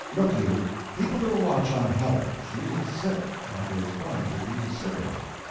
Look you! keep a little watch on Helen; she is sick, and is going to be sicker."